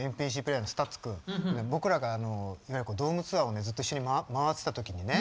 僕らがいわゆるドームツアーをずっと一緒に回ってたときにね